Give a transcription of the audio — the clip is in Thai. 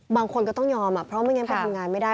บางคนก็ต้องยอมเพราะไม่งั้นไปทำงานไม่ได้